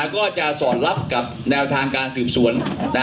ก็จะสอดรับกับแนวทางการสืบสวน